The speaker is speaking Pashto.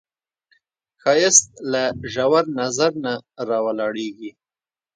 ښایست له ژور نظر نه راولاړیږي